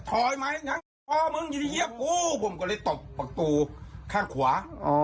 ถอยไหมงั้นทอมึงอยู่ที่เยียบกูผมก็เลยตบประตูข้างขวา